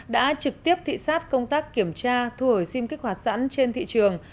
đã trực tiếp thị xát công tác kiểm tra thu hồi sim kích hoạt sẵn trên thị trường